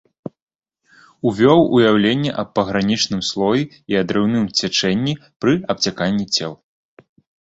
Увёў уяўленне аб пагранічным слоі і адрыўным цячэнні пры абцяканні цел.